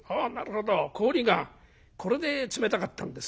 これで冷たかったんですね。